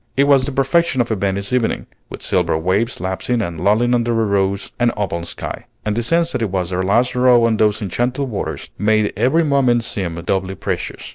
It was the perfection of a Venice evening, with silver waves lapsing and lulling under a rose and opal sky; and the sense that it was their last row on those enchanted waters made every moment seem doubly precious.